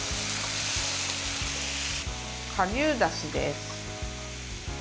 顆粒だしです。